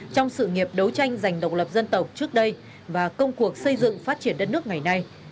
trong sự nghiệp đấu tranh giành độc lập dân tộc trước đây và công cuộc xây dựng phát triển đất nước ngày nay